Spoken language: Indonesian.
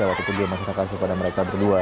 waktu itu dia masih terkasih kepada mereka berdua